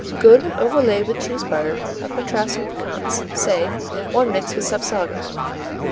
Good when overlaid with cheese butter of contrasting piquance, say one mixed with Sapsago.